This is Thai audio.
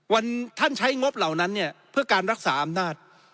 วันท่านใช้งบเหล่านั้นเนี่ยเพื่อการรักษาอำนาจ